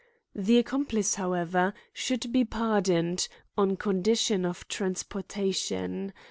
The accomplice, however, should be pardoned, on condition of transportation.